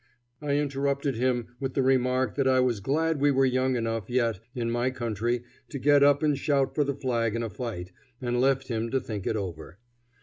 I interrupted him with the remark that I was glad we were young enough yet in my country to get up and shout for the flag in a fight, and left him to think it over.